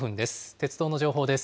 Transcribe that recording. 鉄道の情報です。